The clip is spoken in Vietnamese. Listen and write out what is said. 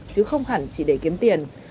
chứ không hẳn chỉ để kiếm tiền